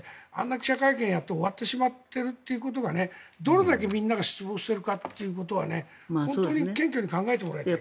記者会見をやって終わってしまっているということがどれだけみんなが失望しているから本当に謙虚に考えてもらいたい。